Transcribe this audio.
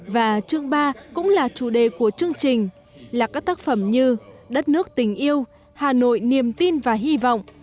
và chương ba cũng là chủ đề của chương trình là các tác phẩm như đất nước tình yêu hà nội niềm tin và hy vọng